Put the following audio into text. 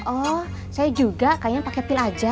oh saya juga kayaknya pakai pil aja